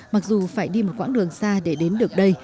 mặc dù phải đi một quãng đường xa để đến được đây